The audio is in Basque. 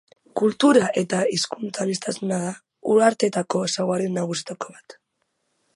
Kultura- eta hizkuntza-aniztasuna da uharteetako ezaugarri nagusietako bat.